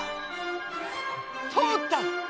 通った！